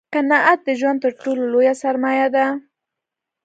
قناعت دژوند تر ټولو لویه سرمایه ده